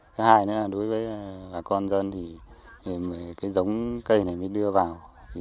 thứ hai nữa là đối với bà con dân thì cái giống cây này mới đưa vào